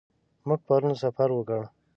موږ پرون سفر وکړ.